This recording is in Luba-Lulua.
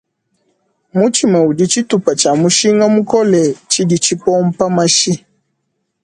Mutshima udi tshitupa tshia mushinga mukole tshidi tshipompa mashi.